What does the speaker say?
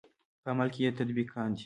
په عمل کې یې تطبیق کاندئ.